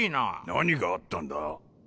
何があったんだ？